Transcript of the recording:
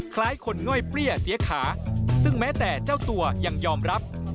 คล้ายคนง่อยเปรี้ยเสียขาซึ่งแม้แต่เจ้าตัวยังยอมรับ